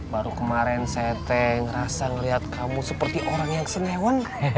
baru kemarin saya teh ngerasa ngeliat kamu seperti orang yang senyewan